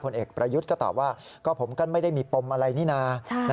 เอกประยุทธ์ก็ตอบว่าก็ผมก็ไม่ได้มีปมอะไรนี่นะ